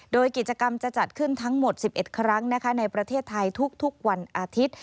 โดยกิจกรรมจะจัดขึ้นทั้งหมด๑๑ครั้งในประเทศไทยทุกวันอาทิตย์